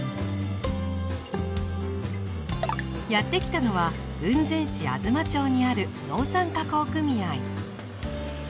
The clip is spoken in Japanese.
やって来たのは雲仙市吾妻町にある農産加工組合。